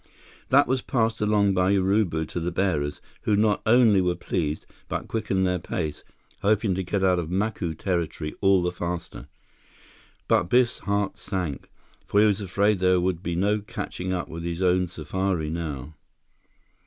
That was passed along by Urubu to the bearers, who not only were pleased, but quickened their pace, hoping to get out of Macu territory all the faster. But Biff's heart sank, for he was afraid there would be no catching up with his own safari now.